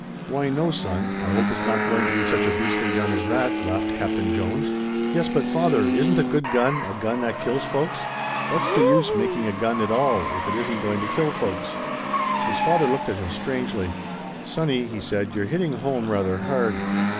"Why no, son, I hope it's not going to be such a beastly gun as that," laughed Captain Jones. "Yes, but, father, isn't a good gun a gun that kills folks? What's the use making a gun at all if it isn't going to kill folks?" His father looked at him strangely. "Sonny," he said, "you're hitting home rather hard."